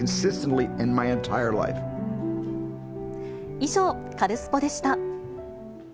以上、カルスポっ！でした。